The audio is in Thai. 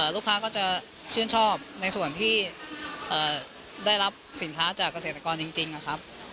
ลูกค้าก็จะชื่นชอบในส่วนที่ได้รับสินค้าจากเกษตรกรจริงนะครับ